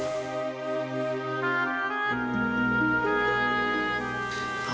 sampai jumpa lagi